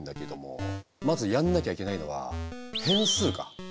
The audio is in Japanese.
まずやんなきゃいけないのは変数か。